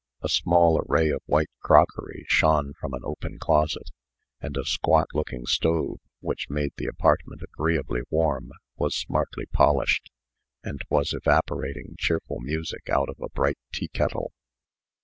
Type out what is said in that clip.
A small array of white crockery shone from an open closet; and a squat looking stove, which made the apartment agreeably warm, was smartly polished, and was evaporating cheerful music out of a bright teakettle.